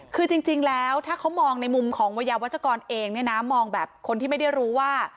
คือจริงแล้วถ้าเขามองในมุมของวัยวัชกรเองเนี่ยนะมองแบบคนที่ไม่ได้รู้ว่า